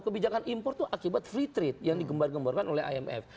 kebijakan impor itu akibat free trade yang digembar gembarkan oleh imf